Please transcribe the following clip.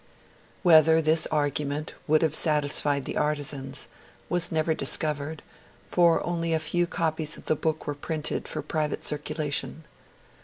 Whether this argument would have satisfied the artisans was never discovered, for only a very few copies of the book were printed for private circulation.